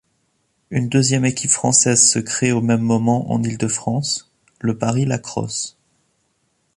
Une deuxième équipe française se créée au même moment en Île-de-France, le Paris Lacrosse.